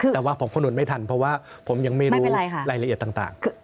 แต่ว่าผมคำนวณไม่ทันเพราะว่าผมยังไม่รู้รายละเอียดต่าง